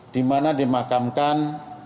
di mana dimakamkan